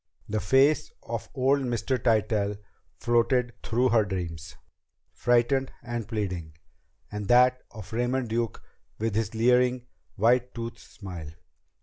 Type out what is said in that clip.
The face of old Mr. Tytell floated through her dreams, frightened and pleading, and that of Raymond Duke with his leering, white toothed smile.